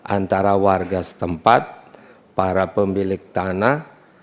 antara warga setempat para pemilik tanah